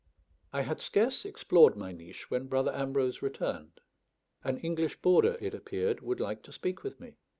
I had scarce explored my niche when Brother Ambrose returned. An English boarder, it appeared, would like to speak with me.